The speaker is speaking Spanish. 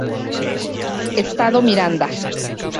Estado Miranda.